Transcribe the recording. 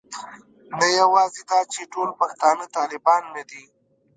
نه یوازې دا چې ټول پښتانه طالبان نه دي.